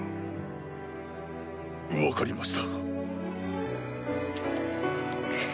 分かりました。